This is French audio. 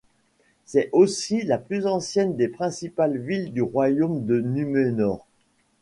C'est aussi la plus ancienne des principales villes du royaume de Númenor.